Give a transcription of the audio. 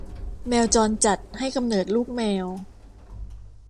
แมวจรจัดให้กำเนิดลูกแมว